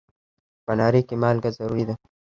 په ناري کې مالګه ضروري ده.